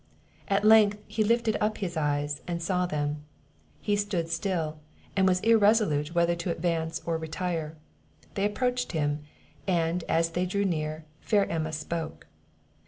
At length, he lifted up his eyes and saw them; he stood still, and was irresolute whether to advance or retire. They approached him; and, as they drew near, fair Emma spoke.